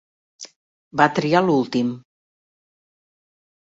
Va triar l'últim.